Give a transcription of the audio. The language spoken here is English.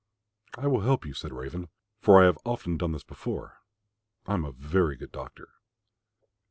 "I will help you," said Raven, "for I have often done this before. I am a very good doctor."